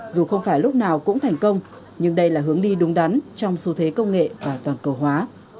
dù không phải lúc nào cũng thành công nhưng đây là hướng đi đúng đắn trong xu thế công nghệ và toàn cầu hóa